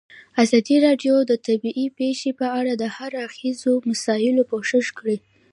ازادي راډیو د طبیعي پېښې په اړه د هر اړخیزو مسایلو پوښښ کړی.